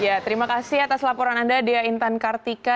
ya terima kasih atas laporan anda dea intan kartika